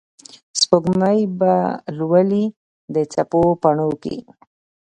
سپوږمۍ به لولي د څپو پاڼو کې